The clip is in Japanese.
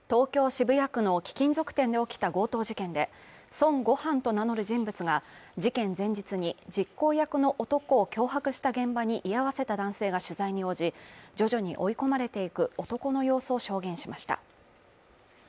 渋谷区の貴金属店で起きた強盗事件で、孫悟飯と名乗る人物が事件前日に実行役の男を脅迫した現場に居合わせた男性が取材に応じ、徐々に追い込まれていく男の様子を証言しました。